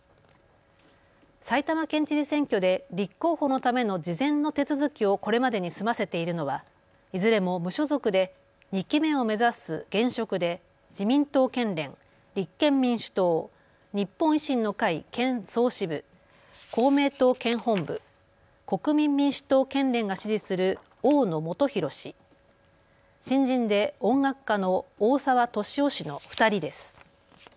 埼玉県知事選挙で立候補のための事前の手続きをこれまでに済ませているのはいずれも無所属で２期目を目指す現職で自民党県連、立憲民主党、日本維新の会県総支部、公明党県本部、国民民主党県連が支持する大野元裕氏、新人で音楽家の大沢敏雄氏の２人です。